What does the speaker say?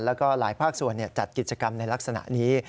แล้วก็หลายภาคส่วนจัดกิจกรรมในลักษณะนี้